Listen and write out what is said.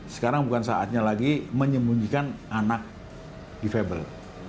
sekarang bukan saatnya lagi menyembunyikan anak di febel